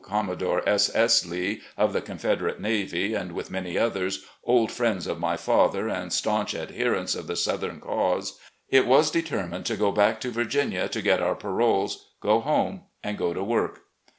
Commodore S. S. Lee, of the Confederate Navy, and with THE SURRENDER 157 many others, old friends of my father and staunch adher ents of the Southern cause, it was determined to go back to Virginia to get our paroles, go home, and go to work.